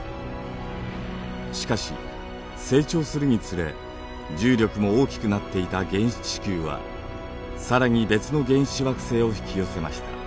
しかし成長するにつれ重力も大きくなっていた原始地球は更に別の原始惑星を引き寄せました。